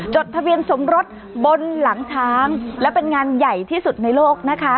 จดทะเบียนสมรสบนหลังช้างและเป็นงานใหญ่ที่สุดในโลกนะคะ